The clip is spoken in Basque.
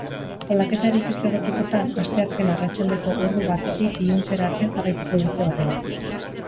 Aldaketarik ez egotekotan, asteazken arratsaldeko ordu batetik iluntzera arte jarraituko dute horrela.